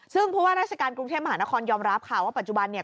ซึ่งผู้ว่าราชการกรุงเทพมหานครยอมรับค่ะว่าปัจจุบันเนี่ย